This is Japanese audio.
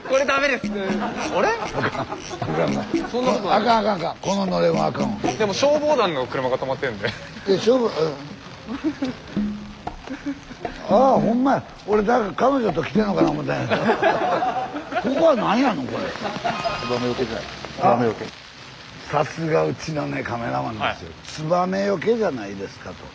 ツバメよけじゃないですかと。